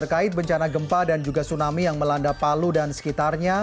terkait bencana gempa dan juga tsunami yang melanda palu dan sekitarnya